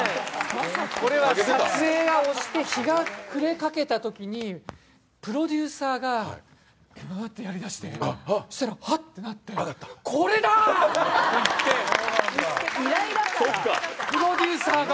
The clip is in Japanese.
これは撮影が押して日が暮れかけたときにプロデューサーがバーってやりだしてそしたらハッ！ってなってこれだ！って言って、プロデューサーが。